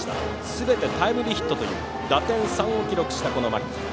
すべてタイムリーヒットという打点３を記録した牧。